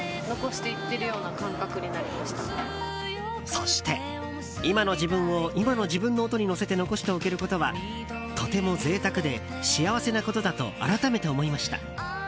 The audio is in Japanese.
そして、今の自分を今の自分の音に乗せて残しておけることはとても贅沢で幸せなことだと改めて思いました。